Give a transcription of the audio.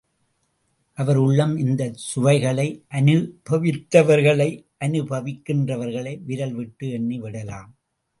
அவருள்ளும் இந்தச் சுவைகளை அனுபவித்தவர்களை அனுபவிக்கின்றவர்களை விரல் விட்டு எண்ணி விடலாம்.